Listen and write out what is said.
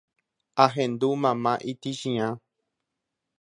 ahendu mama itĩchiã